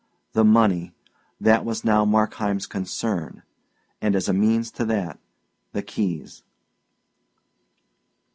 The money that was now Markheim's concern; and as a means to that, the keys.